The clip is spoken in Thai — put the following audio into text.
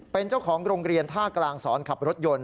เป็นเจ้าของโรงเรียนท่ากลางสอนขับรถยนต์